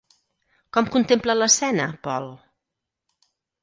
Com contempla l'escena Paul?